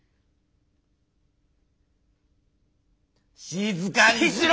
静かにしろ！